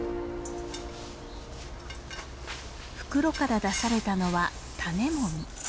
袋から出されたのは種もみ。